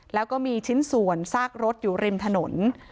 แล้วก็มีชิ้นส่วนซากรถอยู่ริมถนน